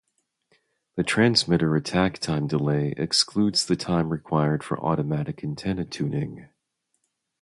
The transmitter attack-time delay excludes the time required for automatic antenna tuning.